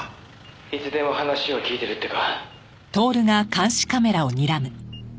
「いつでも話を聞いてるってか」